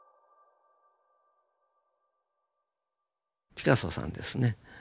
ピカソさんですね。